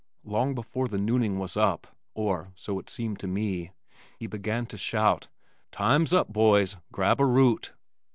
Long before the nooning was up, (or so it seemed to me) he began to shout: "Time's up, boys. Grab a root!"